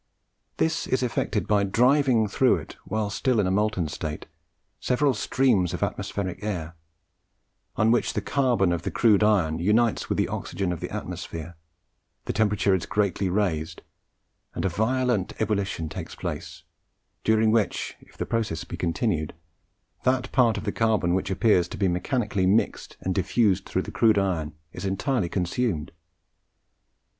This is effected by driving through it, while still in a molten state, several streams of atmospheric air, on which the carbon of the crude iron unites with the oxygen of the atmosphere, the temperature is greatly raised, and a violent ebullition takes place, during which, if the process be continued, that part of the carbon which appears to be mechanically mixed and diffused through the crude iron is entirely consumed.